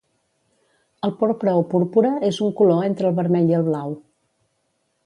El porpra o púrpura és un color entre el vermell i el blau